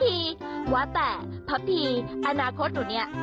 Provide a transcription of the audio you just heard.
แต่พัพพี่อนาคตหนู